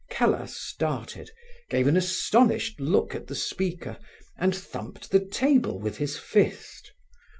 Keller started, gave an astonished look at the speaker, and thumped the table with his fist.